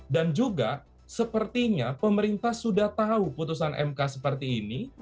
dan juga sepertinya pemerintah sudah tahu putusan mk seperti ini